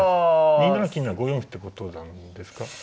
２七金なら５四歩ってことなんですか。